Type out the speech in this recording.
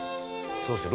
「そうですね。